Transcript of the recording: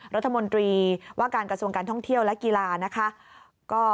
รัฐมนตรีว่าการกระทรวงการท่องเที่ยวและกีฬานะคะ